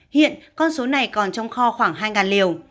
hiện con số này còn trong kho khoảng hai liều